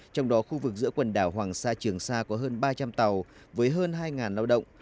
trong đó khu vực giữa quần đảo hoàng sa trường sa có hơn ba trăm linh tàu với hơn hai lao động